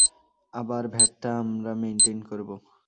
আবার ভ্যাটটা আমরা মেনটেইন করব।